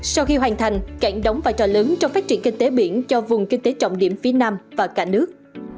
sau khi hoàn thành cảng đóng vai trò lớn trong phát triển kinh tế biển cho vùng kinh tế trọng điểm phía nam và cả nước